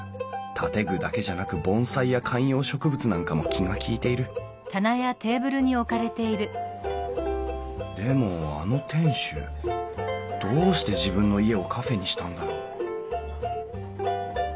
建具だけじゃなく盆栽や観葉植物なんかも気が利いているでもあの店主どうして自分の家をカフェにしたんだろう